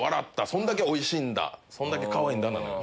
「そんだけおいしいんだそんだけかわいいんだ」なのよ。